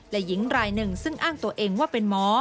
และหญิงรายหนึ่งซึ่งอ้างตัวเองว่าเป็นหมอ